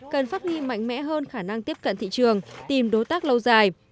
cần phát huy mạnh mẽ hơn khả năng tiếp cận thị trường tìm đối tác lâu dài